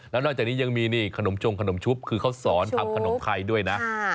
แล้วนอกจากนี้ยังมีนี่ขนมจงขนมชุบคือเขาสอนทำขนมไทยด้วยนะ